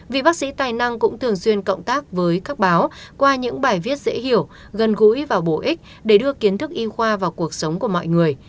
vị bác sĩ tài năng cũng thường xuyên cộng tác với các báo qua những bài viết dễ hiểu gần gũi và bổ ích để đưa kiến thức y khoa vào cuộc sống của mọi người